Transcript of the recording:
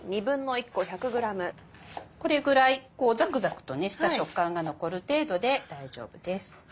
これくらいザクザクとした食感が残る程度で大丈夫です。